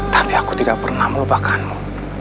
tapi aku tidak pernah melupakanmu